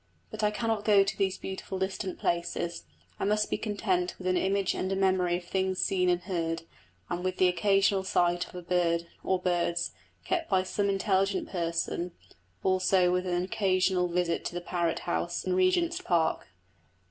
But I cannot go to those beautiful distant places I must be content with an image and a memory of things seen and heard, and with the occasional sight of a bird, or birds, kept by some intelligent person; also with an occasional visit to the Parrot House in Regent's Park.